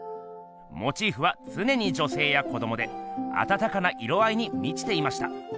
モチーフはつねに女せいや子どもであたたかな色合いにみちていました。